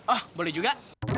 oh boleh juga